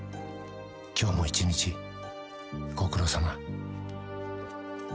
［今日も一日ご苦労さま］